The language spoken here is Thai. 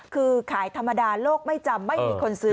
คือขายธรรมดาโลกไม่จำไม่มีคนซื้อ